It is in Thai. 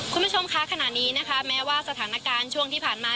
คุณผู้ชมคะขณะนี้นะคะแม้ว่าสถานการณ์ช่วงที่ผ่านมา